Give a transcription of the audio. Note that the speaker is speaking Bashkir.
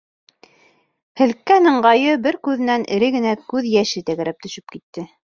Һелккән ыңғайы бер күҙенән эре генә күҙ йәше тәгәрләп төшөп китте.